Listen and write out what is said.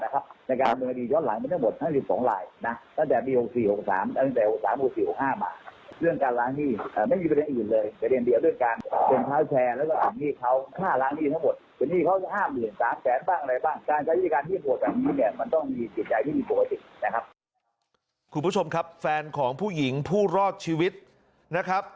คุณผู้ชมครับแฟนของผู้หญิงผู้รอดชีวิตนะครับ